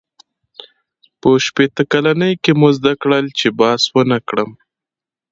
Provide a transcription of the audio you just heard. • په شپېته کلنۍ کې مې زده کړل، چې بحث ونهکړم.